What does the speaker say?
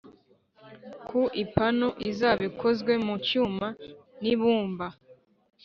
ku ipanu izaba ikozwe mu cyuma nibumba